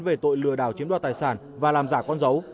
về tội lừa đảo chiếm đoạt tài sản và làm giả con dấu